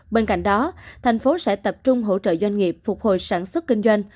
bên cạnh đó thành phố sẽ tập trung hỗ trợ doanh nghiệp phục hồi sản xuất kinh doanh